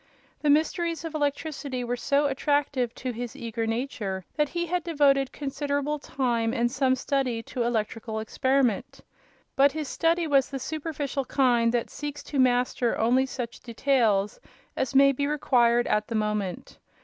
The mysteries of electricity were so attractive to his eager nature that he had devoted considerable time and some study to electrical experiment; but his study was the superficial kind that seeks to master only such details as may be required at the moment.